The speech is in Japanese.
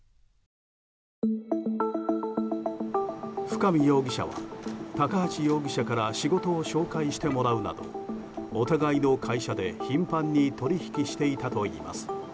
深見容疑者は高橋容疑者から仕事を紹介してもらうなどお互いの会社で頻繁に取引していたといいます。